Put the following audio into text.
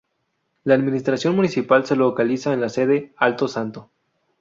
La administración municipal se localiza en la sede, Alto Santo.